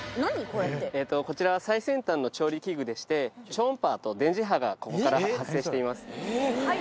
これってこちらは最先端の調理器具でして超音波と電磁波がここから発生しています